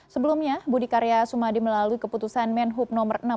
sebelumnya budi karya sumadi melalui keputusan menhub no enam puluh